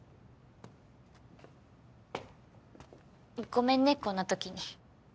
ごめんねこんなときに。